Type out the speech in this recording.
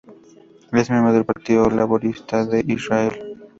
Es miembro del Partido Laborista de Israel.